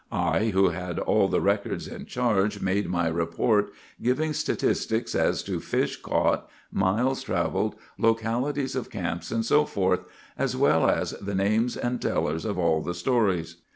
I, who had all the records in charge, made my report, giving statistics as to fish caught, miles travelled, localities of camps, and so forth, as well as the names and tellers of all the stories.